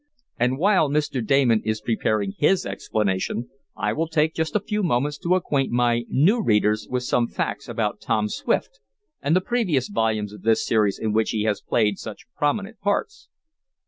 And while Mr. Damon is preparing his explanation I will take just a few moments to acquaint my new readers with some facts about Tom Swift, and the previous volumes of this series in which he has played such prominent parts.